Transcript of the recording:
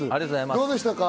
どうでしたか？